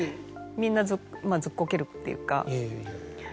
みんなずっこけるっていうか。